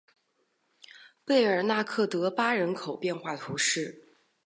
贝尔纳克德巴人口变化图示